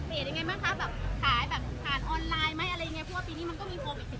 แบบขายแบบผู้ชายออนไลน์ไหมอะไรอย่างเงี้ย